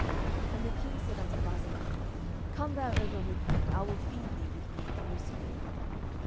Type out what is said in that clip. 10:019:033 And the king said unto Barzillai, Come thou over with me, and I will feed thee with me in Jerusalem.